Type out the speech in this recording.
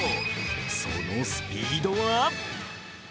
そのスピードは？